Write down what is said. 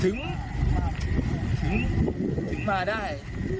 ถึงมาได้